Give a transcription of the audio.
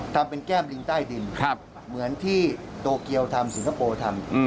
ทำเป็นแก้มลิงใต้ดินเหมือนที่โตเกียวทำสิงคโปร์ทำ